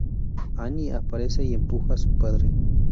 Annie aparece y empuja a su padre.